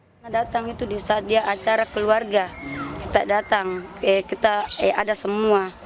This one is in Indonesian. kita datang itu di saat dia acara keluarga kita datang kita eh ada semua